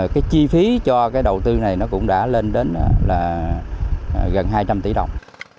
cái chi phí cho cái đầu tư này nó cũng đã lên đến là gần hai trăm linh tỷ đồng